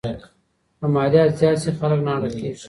که مالیات زیات سي خلګ ناړه کیږي.